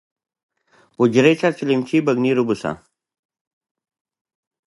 پسه باید منظمه پاملرنه وشي.